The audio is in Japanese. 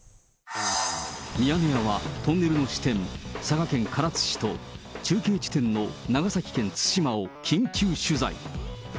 ミヤネ屋はトンネルの始点、佐賀県唐津市と、中継地点の長崎県対馬を緊急取材。